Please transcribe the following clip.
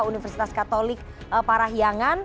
universitas katolik parahyangan